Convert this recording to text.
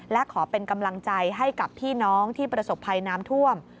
และขอเป็นกำลังใจให้กับพี่น้องที่ประสบภัยน้ำท่วม